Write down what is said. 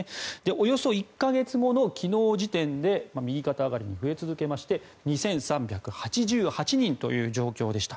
およそ１か月後の昨日時点で右肩上がりに増え続けまして２３８８人という状況でした。